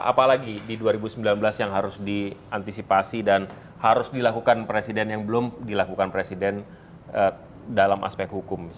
apalagi di dua ribu sembilan belas yang harus diantisipasi dan harus dilakukan presiden yang belum dilakukan presiden dalam aspek hukum